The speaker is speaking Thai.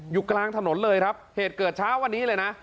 อยู่กลางถนนเลยครับเหตุเกิดเช้าวันนี้เลยนะ